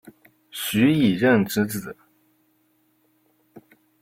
徐以任之子。